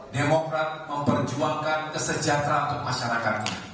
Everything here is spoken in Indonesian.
demokrat memperjuangkan kesejahteraan untuk masyarakat ini